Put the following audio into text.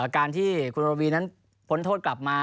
การที่คุณระวีนั้นพ้นโทษกลับมา